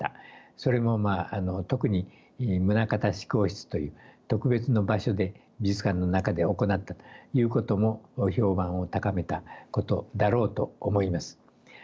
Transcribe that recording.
それも特に棟方志功室という特別の場所で美術館の中で行ったということも評判を高めたことだろうと思います。